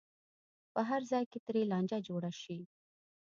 په هر ځای کې ترې لانجه جوړه شي.